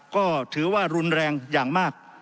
ก็ถือว่ารุนแรงอย่างมาก